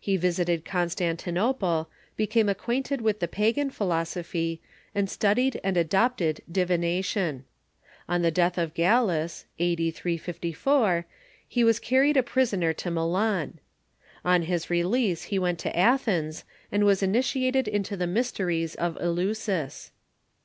He visited Constantinople, became acquainted with the pagan philosophy, and studied and adopted divination. On the death of Gallus (a.d. 354), he was carried a prisoner to 42 THE EARLY CHUECH Milan. On bis release be went to Atbens, and was initiated into tbe mysteries of Eleusis.